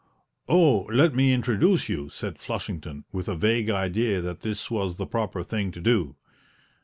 "Oh, let me introduce you," said Flushington, with a vague idea that this was the proper thing to do.